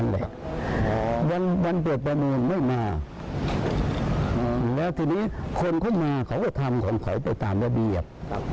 และทีนี้คนเข้ามาเขาก็ทำขอนคอยไปตามอเบียบ